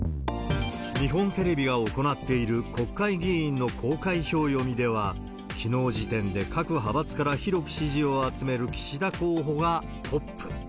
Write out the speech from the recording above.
日本テレビが行っている国会議員の公開票読みでは、きのう時点で各派閥から広く支持を集める岸田候補がトップ。